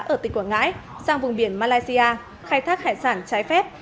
ở tỉnh quảng ngãi sang vùng biển malaysia khai thác hải sản trái phép